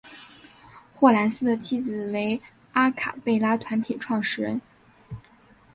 霍蓝斯的妻子为阿卡贝拉团体创始人。